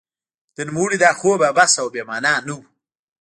د نوموړي دا خوب عبث او بې مانا نه و.